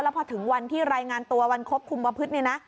พอถึงวันที่รายงานตัววันควบคุมประพฤติเนี่ยนะ